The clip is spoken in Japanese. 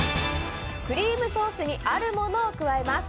クリームソースにあるものを加えます。